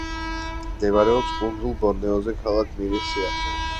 მდებარეობს კუნძულ ბორნეოზე, ქალაქ მირის სიახლოვეს.